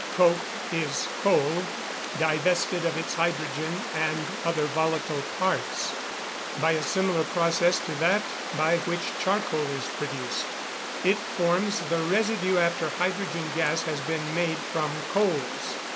_ Coke is coal, divested of its hydrogen and other volatile parts, by a similar process to that by which charcoal is produced. It forms the residue after hydrogen gas has been made from coals.